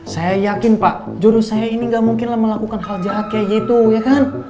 saya yakin pak jodoh saya ini tidak mungkinlah melakukan hal jahat kayak gitu ya kan